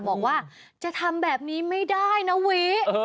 บอกว่าจะทำแบบนี้ไม่ได้นะวิ